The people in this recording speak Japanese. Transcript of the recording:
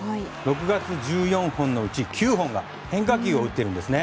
６月、１４本のうち９本が変化球を打っているんです。